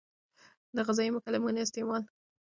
د غذایي مکملونو استعمال د مایکروبونو توازن ساتي.